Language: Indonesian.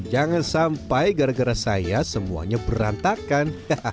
jangan sampai gara gara saya semuanya berantakan